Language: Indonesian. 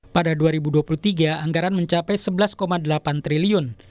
pada dua ribu dua puluh tiga anggaran mencapai rp sebelas delapan triliun